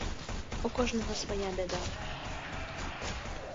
У кожнага свая бяда.